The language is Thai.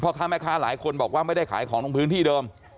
ค้าแม่ค้าหลายคนบอกว่าไม่ได้ขายของตรงพื้นที่เดิม